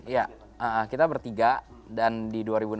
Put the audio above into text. ya kita bertiga dan di dua ribu enam belas